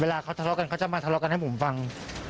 เวลาเขาทะเลาะกันเขาจะมาทะเลาะกันให้ผมฟัง